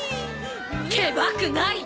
ケバくない！